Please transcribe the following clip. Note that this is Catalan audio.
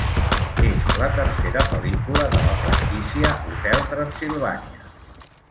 És la tercera pel·lícula de la franquícia Hotel Transsilvània.